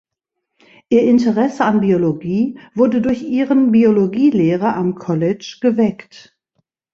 Ihr Interesse an Biologie wurde durch ihren Biologielehrer am College geweckt.